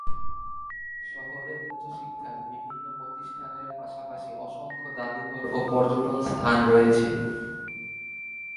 শহরে উচ্চশিক্ষার বিভিন্ন প্রতিষ্ঠানের পাশাপাশি অসংখ্য জাদুঘর ও পর্যটন স্থান রয়েছে।